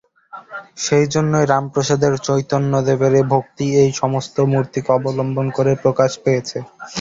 সেইজন্যই রামপ্রসাদের, চৈতন্যদেবের ভক্তি এই-সমস্ত মূর্তিকে অবলম্বন করে প্রকাশ পেয়েছে।